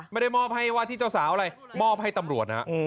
ไม่ได้มอบให้ว่าที่เจ้าสาวอะไรมอบให้ตำรวจนะ